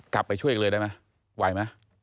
กลับไปช่วยอีกเลยได้มั้ยไวไหม